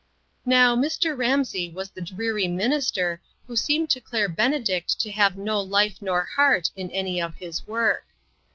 Now Mr. Ramsey was the dreary minis ter who seemed to Claire Benedict to have no life nor heart in any of his work.